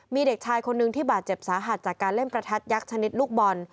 มีเด็กชายคนนึงที่บาดเจ็บสาหัสจากการเล่นประทัดยักษ์ชนิดลูกบอล